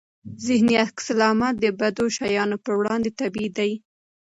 ذهني عکس العمل د بدو شیانو پر وړاندې طبيعي دی.